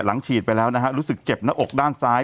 หลังฉีดไปแล้วรู้สึกเจ็บในอกด้านซ้าย